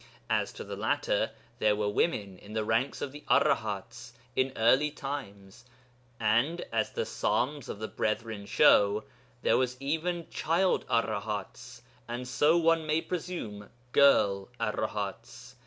As to the latter, there were women in the ranks of the Arahats in early times; and, as the Psalms of the Brethren show, there were even child Arahats, and, so one may presume, girl Arahats.